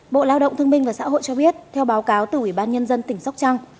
bộ lao động thương minh và xã hội cho biết theo báo cáo từ ủy ban nhân dân tỉnh sóc trăng